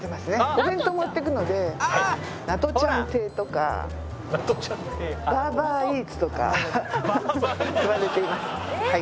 お弁当持っていくのでなとちゃん亭とかバーバーイーツとか言われています。